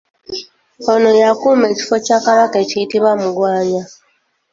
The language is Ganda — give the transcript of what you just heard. Ono y’akuuma ekifo kya Kabaka ekiyitibwa Mugwanya